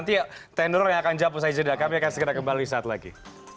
nanti ya tenor yang akan jawab usai jeda kami akan segera kembali suatu lagi